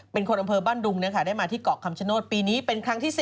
เป็นคนอำเภอบ้านดุงได้มาที่เกาะคำชโนธปีนี้เป็นครั้งที่๓